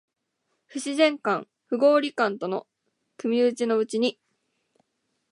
不自然感、不合理感との組打ちのうちに、